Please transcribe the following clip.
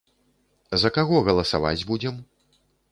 За каго галасаваць будзем?